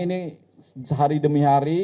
ini sehari demi hari